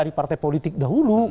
dari partai politik dahulu